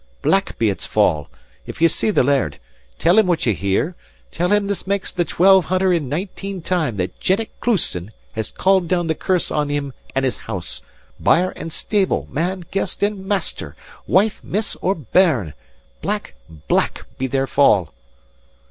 Black be its fall! If ye see the laird, tell him what ye hear; tell him this makes the twelve hunner and nineteen time that Jennet Clouston has called down the curse on him and his house, byre and stable, man, guest, and master, wife, miss, or bairn black, black be their fall!"